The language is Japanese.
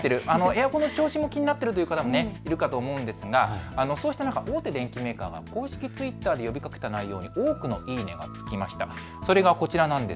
エアコンの調子も気になっているという方もいるかと思いますがそうした中、大手電機メーカーが公式ツイッターで呼びかけた内容に多くのいいねがつきました。